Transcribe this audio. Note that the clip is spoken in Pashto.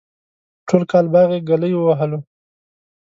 د ټول کال باغ یې گلی ووهلو.